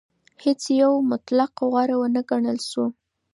هیڅ یو مطلق غوره ونه ګڼل شو.